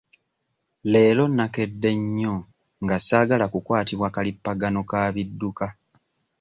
Leero nnakedde nnyo nga ssaagala kukwatibwa kalippagano ka bidduka.